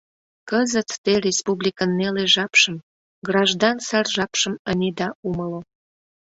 Кызыт те республикын неле жапшым, граждан сар жапшым ынеда умыло...